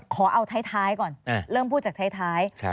ขอเอาท้ายก่อนเริ่มพูดจากท้าย